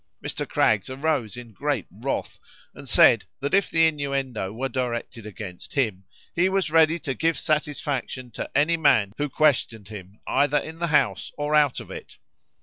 Mr. Craggs arose in great wrath, and said, that if the innuendo were directed against him, he was ready to give satisfaction to any man who questioned him, either in the House or out of it.